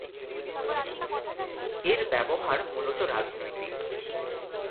এর ব্যবহার মূলত রাজনৈতিক।